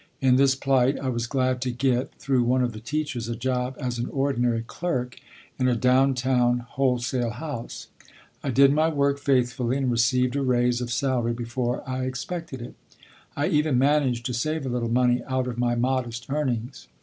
In this plight I was glad to get, through one of the teachers, a job as an ordinary clerk in a downtown wholesale house. I did my work faithfully, and received a raise of salary before I expected it. I even managed to save a little money out of my modest earnings.